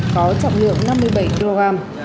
có trọng lượng năm mươi bảy kg